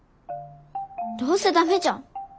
どうせダメじゃん。